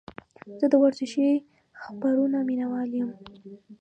زه د ورزشي خپرونو مینهوال یم.